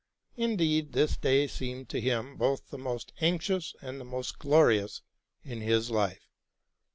Indeed, this day seemed to him both the most anxious and the most glorious in his life.